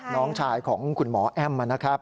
น้องชายของคุณหมอแอ้มนะครับ